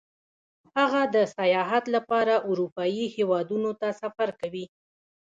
هغه د سیاحت لپاره اروپايي هېوادونو ته سفر کوي